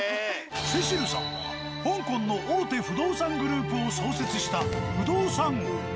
セシルさんは香港の大手不動産グループを創設した不動産王。